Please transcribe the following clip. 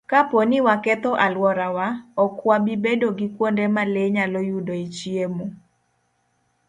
Kapo ni waketho alworawa, ok wabi bedo gi kuonde ma le nyalo yudoe chiemo.